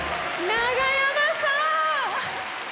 長山さん！